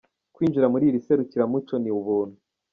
Kwinjira muri iri serukiramuco ni ubuntu.